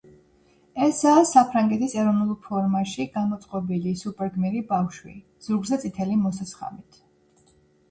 ესაა საფრანგეთის ეროვნულ ფორმაში გამოწყობილი სუპერგმირი ბავშვი, ზურგზე წითელი მოსასხამით.